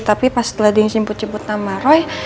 tapi setelah dia nyiput niput nama roy